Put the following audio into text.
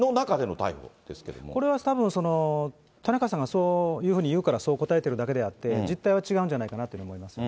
これはたぶん、田中さんがそういうふうに言うからそう答えているだけであって、実態は違うんじゃないかなと思います。